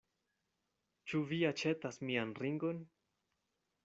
Ĉu vi aĉetas mian ringon?